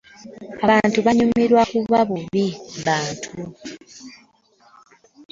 Abamu banyumirwa kubba bubbi bantu.